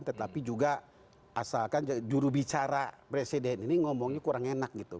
tetapi juga asalkan jurubicara presiden ini ngomongnya kurang enak gitu